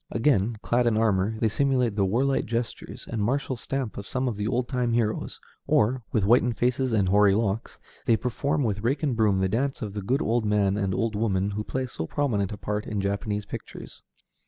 Again, clad in armor, they simulate the warlike gestures and martial stamp of some of the old time heroes; or, with whitened faces and hoary locks, they perform with rake and broom the dance of the good old man and old woman who play so prominent a part in Japanese pictures.